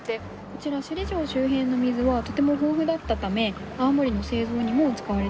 こちら首里城周辺の水はとても豊富だったため泡盛の製造にも使われていたそうなんです。